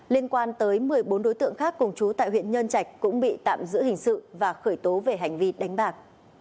liên quan tới một mươi bốn đối tượng khác cùng chú tại huyện nhân trạch cũng bị tạm giữ hình sự và khởi tố về hành vi đánh bạc